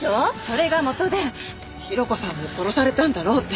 それが元で広子さんも殺されたんだろうって